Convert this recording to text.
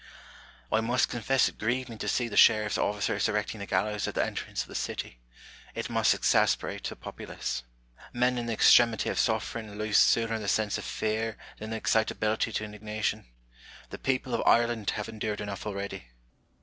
Pliilip Savage. I must confess it grieved me to see the sheriS''s officers erecting the gallows at the entrance of the city : it must exasperate the populace. Men in the extremity of suffering lose sooner the sense of fear than the excitability to indignation : the people of Ireland have endured enough already.